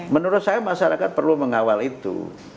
menurut saya masyarakat perlu mengawal itu